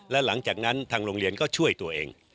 และหลังจากนั้นทางโรงเรียนก็ช่วยตัวเอง